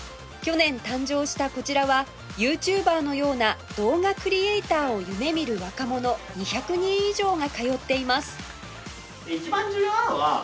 去年誕生したこちらはユーチューバーのような動画クリエイターを夢見る若者２００人以上が通っています